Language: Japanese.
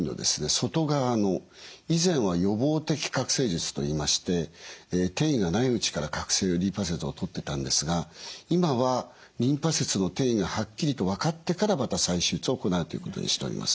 外側の以前は予防的郭清術といいまして転移がないうちからリンパ節を取ってたんですが今はリンパ節の転移がはっきりと分かってからまた再手術を行うということにしております。